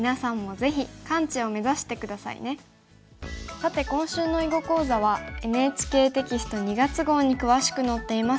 さて今週の囲碁講座はＮＨＫテキスト２月号に詳しく載っています。